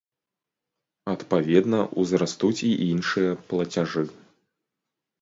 Адпаведна, узрастуць і іншыя плацяжы.